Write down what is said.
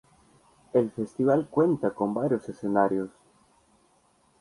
El festival cuenta con varios escenarios.